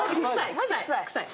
マジ臭い。